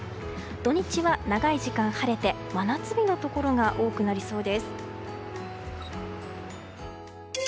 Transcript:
土日は長い時間晴れて真夏日のところ多くなりそうです。